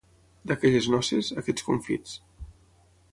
D'aquelles noces, aquests confits.